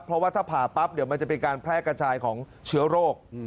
เพราะว่าถ้าผ่าปั๊บเดี๋ยวมันจะเป็นการแพร่กระจายของเชื้อโรค